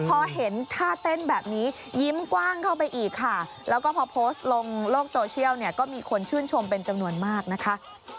พอเห็นท่าเต้นแบบนี้ยิ้มกว้างเข้าไปอีกค่ะแล้วก็พอโพสต์ลงโลกโซเชียลเนี่ยก็มีคนชื่นชมเป็นจำนวนมากนะคะ